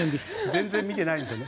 全然見てないんでしょうね